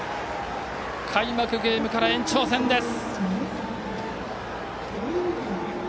開幕ゲームから延長戦です。